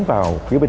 cảm ơn quý vị